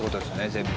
全部。